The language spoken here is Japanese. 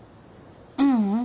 ううん。